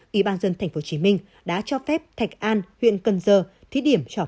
ủy ban dân tp hcm đã cho phép thạch an huyện cần dơ